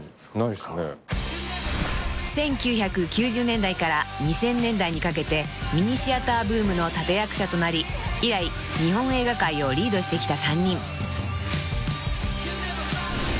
［１９９０年代から２０００年代にかけてミニシアターブームの立役者となり以来日本映画界をリードしてきた３人］